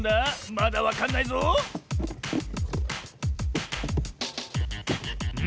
まだわかんないぞん？